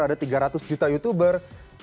ada tiga ratus juta youtuber